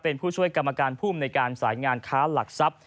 เป็นผู้ช่วยกรรมการภูมิในการสายงานค้าหลักทรัพย์